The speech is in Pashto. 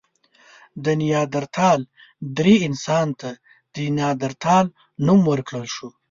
د نیاندرتال درې انسان ته د نایندرتال نوم ورکړل شو.